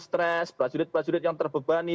stres prajurit prajurit yang terbebani